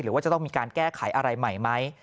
ว่าจะต้องมีการแก้ไขอะไรใหม่ไหม